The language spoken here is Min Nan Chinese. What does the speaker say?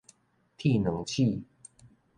鐵卵鼠